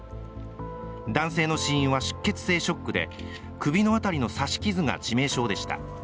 男性の死因は出血性ショックで首の辺りの刺し傷が致命傷でした。